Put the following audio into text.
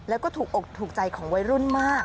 แล้วก็ถูกอกถูกใจของวัยรุ่นมาก